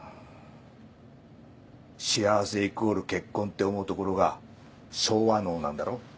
幸せイコール結婚って思うところが昭和脳なんだろ？